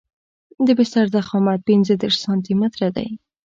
د بستر ضخامت پنځه دېرش سانتي متره دی